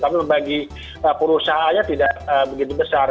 tapi bagi perusahaannya tidak begitu besar